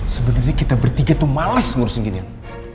sebenernya kita bertiga tuh males ngurusin ginian